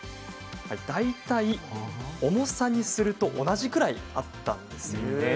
大体、重さにすると同じくらいあったんですね。